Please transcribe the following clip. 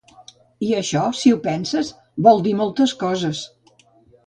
I això, si ho penses, vol dir moltes coses.